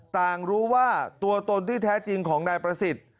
ต่างรู้ว่าตัวตนที่แท้จริงของนายประสิทธิ์